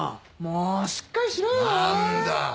もうしっかりしろよ。